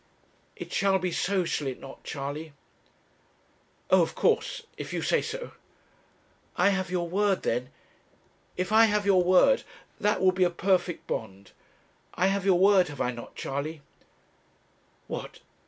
'It shall be so, shall it not, Charley?' 'Oh, of course, if you say so.' 'I have your word, then? If I have your word, that will be a perfect bond. I have your word, have I not, Charley?' 'What!